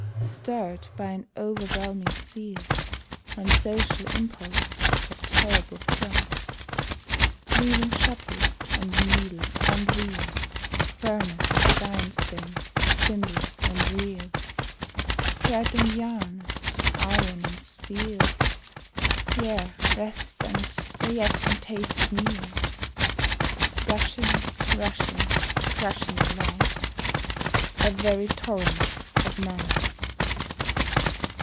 Stirr'd by an overwhelming zeal, And social impulse, a terrible throng! Leaving shuttle, and needle, and wheel, Furnace, and grindstone, spindle, and reel, Thread, and yarn, and iron, and steel Yea, rest and the yet untasted meal Gushing, rushing, crushing along, A very torrent of Man!